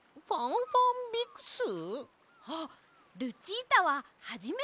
あっルチータははじめてですね！